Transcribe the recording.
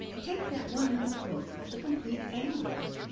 Take that one little book, 'The Compleat Angler.'